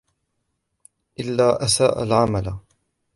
إلَّا أَسَاءَ الْعَمَلَ